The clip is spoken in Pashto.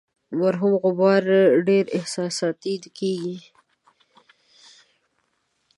مرحوم غبار ډیر احساساتي کیږي.